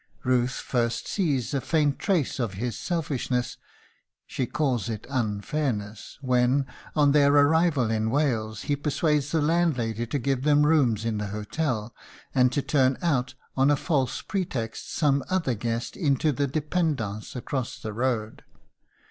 Ruth first sees a faint trace of his selfishness she calls it "unfairness" when, on their arrival in Wales, he persuades the landlady to give them rooms in the hotel and to turn out on a false pretext some other guests into the d├®pendance across the road.